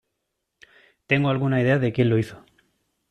Tengo algunas ideas de quien lo hizo.